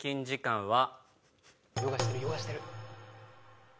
ヨガしてるヨガしてる。